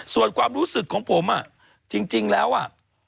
ส่วนความรู้สึกของผมจริงแล้วอ่ะ